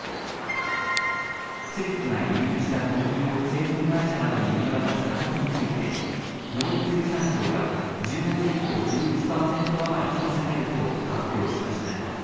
政府が輸入した小麦を製粉会社などに売り渡す価格について農林水産省は１０月以降、１１％余り引き下げると発表しました。